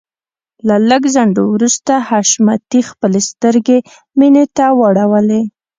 له لږ ځنډ وروسته حشمتي خپلې سترګې مينې ته واړولې.